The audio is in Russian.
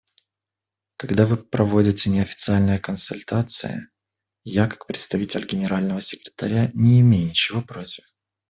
Когда вы проводите неофициальные консультации, я как представитель Генерального секретаря, не имею ничего против.